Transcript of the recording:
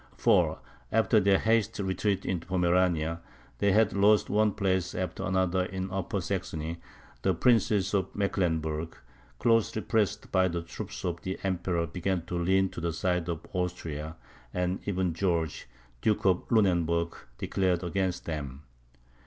For, after their hasty retreat into Pomerania, they had lost one place after another in Upper Saxony; the princes of Mecklenburg, closely pressed by the troops of the Emperor, began to lean to the side of Austria, and even George, Duke of Lunenburg, declared against them.